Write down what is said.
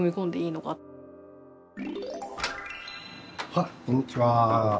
はいこんにちは。